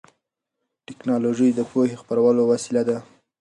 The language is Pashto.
ټیکنالوژي د پوهې خپرولو وسیله ده.